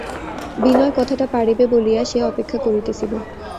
বিনয় কথাটা পাড়িবে বলিয়া সে অপেক্ষা করিতেছিল।